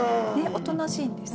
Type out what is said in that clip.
おとなしいんです。